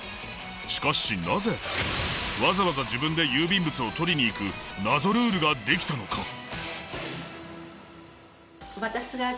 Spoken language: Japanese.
しかしなぜわざわざ自分で郵便物を取りに行く謎ルールができたのか。